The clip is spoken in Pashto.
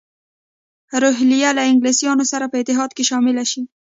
روهیله له انګلیسیانو سره په اتحاد کې شامل شي.